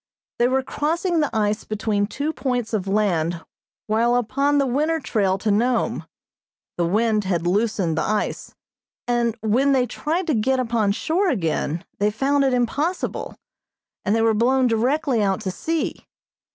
They were crossing the ice between two points of land while upon the winter trail to Nome, the wind had loosened the ice, and when they tried to get upon shore again they found it impossible, and they were blown directly out to sea.